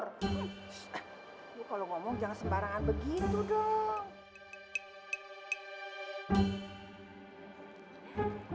kalo ngomong jangan sembarangan begitu dong